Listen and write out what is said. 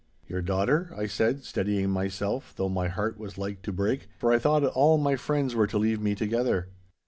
'Your daughter?' I said, steadying myself, though my heart was like to break, for I thought all my friends were to leave me together.